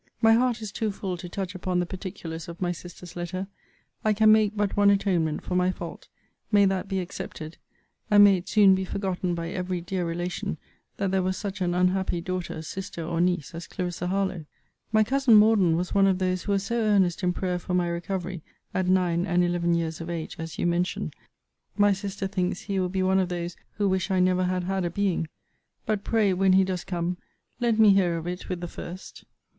My heart is too full to touch upon the particulars of my sister's letter. I can make but one atonement for my fault. May that be accepted! And may it soon be forgotten, by every dear relation, that there was such an unhappy daughter, sister, or niece, as Clarissa Harlowe! My cousin Morden was one of those who was so earnest in prayer for my recovery, at nine and eleven years of age, as you mention. My sister thinks he will be one of those who wish I never had had a being. But pray, when he does come, let me hear of it with the first.